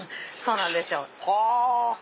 はぁ！